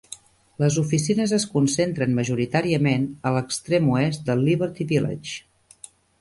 Les oficines es concentren majoritàriament a l'extrem oest de Liberty Village.